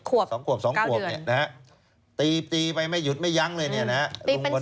ควบ๙เดือนนะฮะตีไปไม่หยุดไม่ยั้งเลยเนี่ยนะฮะ